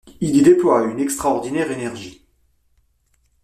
Il y déploie une extraordinaire énergie.